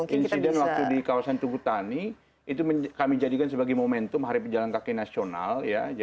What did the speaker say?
insiden waktu di kawasan tugutani itu kami jadikan sebagai momentum hari pejalan kaki nasional